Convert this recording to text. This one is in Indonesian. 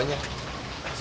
tidak ada besok